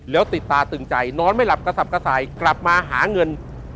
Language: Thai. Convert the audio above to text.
แล้วติดตาตึงใจนอนไม่หลับกระสับกระส่ายกลับมาหาเงิน